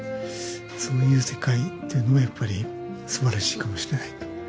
そういう世界っていうのをやっぱり素晴らしいかもしれないと。